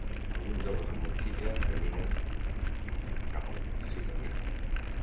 Alguns joves amb motxilla caminen cap a l'edifici terminal.